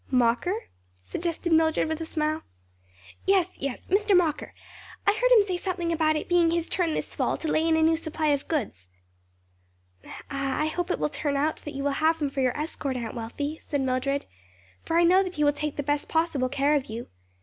"Mocker?" suggested Mildred with a smile. "Yes, yes, Mr. Mocker, I heard him say something about it being his turn this fall to lay in a new supply of goods." "Ah, I hope it will turn out that you will have him for your escort, Aunt Wealthy," said Mildred, "for I know that he will take the best possible care of you.